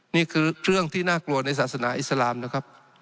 นี่คือเรื่องที่น่ากลัวในศาสนาอิสลามนะครับ